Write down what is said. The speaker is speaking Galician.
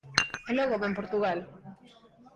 E logo vén Portugal.